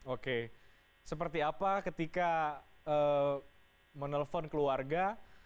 oke seperti apa ketika menelpon keluarga